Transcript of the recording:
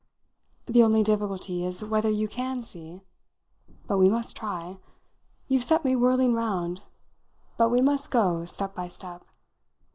"The only difficulty is whether you can see. But we must try. You've set me whirling round, but we must go step by step.